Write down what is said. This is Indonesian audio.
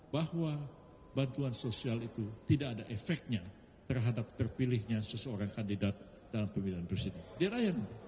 bahwa bantuan sosial itu tidak ada efeknya terhadap terpilihnya seseorang kandidat dalam pemilihan presiden